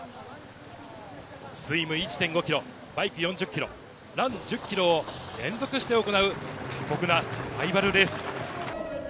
スイム１．５ｋｍ、バイク４０ｋｍ、ラン１０ｋｍの連続して行う過酷なサバイバルレース。